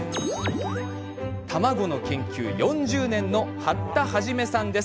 卵の研究４０年の八田一さんです。